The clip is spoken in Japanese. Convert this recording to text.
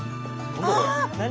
何？